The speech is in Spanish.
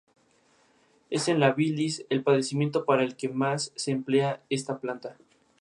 Es en la "bilis", el padecimiento para el que más se emplea esta planta.